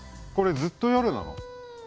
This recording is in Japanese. これずっと夜なの。